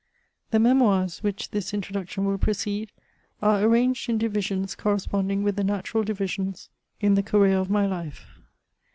The Memoirs, which this introduction will precede, are arranged in divisions corresponding with the natural divisions in the career of my life.